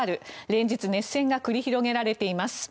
連日熱戦が繰り広げられています。